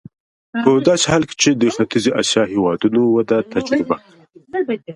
په داسې حال کې چې د ختیځې اسیا هېوادونو وده تجربه کړه.